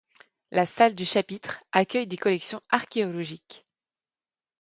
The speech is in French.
La salle du Chapitre accueille des collections archéologiques.